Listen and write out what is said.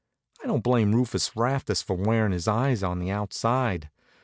I don't blame Rufus Rastus for wearin' his eyes on the outside.